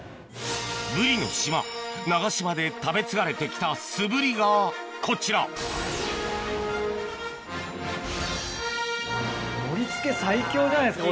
ブリの島長島で食べ継がれてきたすぶりがこちら盛り付け最強じゃないですか。